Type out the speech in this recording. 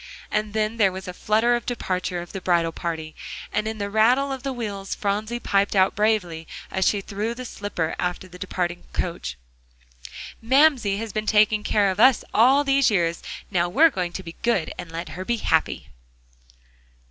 And then there was a flutter of departure of the bridal party, and in the rattle of the wheels Phronsie piped out bravely as she threw the slipper after the departing coach: "Mamsie has been taking care of us all these years; now we're going to be good and let her be happy."